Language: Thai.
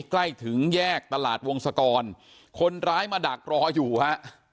ใกล้ถึงแยกตลาดวงศกรคนร้ายมาดักรออยู่ฮะ